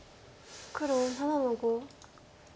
黒７の五。